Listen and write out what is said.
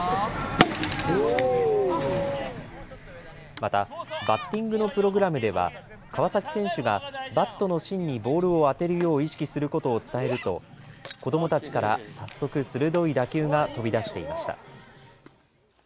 またバッティングのプログラムでは川崎選手がバットの芯にボールを当てるよう意識することを伝えると子どもたちから早速鋭い打球が飛び出していました。